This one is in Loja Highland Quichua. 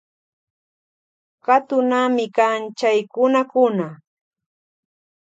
Katunami kan chay kunukuna.